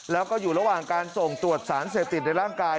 แล้วก็อยู่ระหว่างการส่งตรวจสารเสพติดในร่างกาย